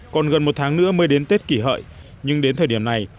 còn gần một tháng nữa mới đến tết kỷ hợi nhưng đến thời điểm này